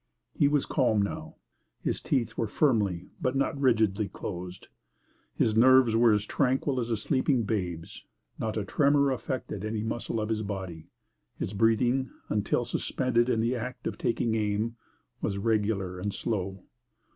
He was calm now. His teeth were firmly but not rigidly closed; his nerves were as tranquil as a sleeping babe's not a tremor affected any muscle of his body; his breathing, until suspended in the act of taking aim, was regular and slow.